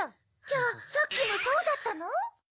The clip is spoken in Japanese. じゃあさっきもそうだったの？